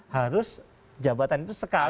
harus jabatan itu sekali